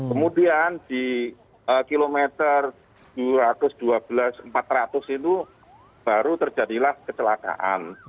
kemudian di kilometer tujuh ratus dua belas empat ratus itu baru terjadilah kecelakaan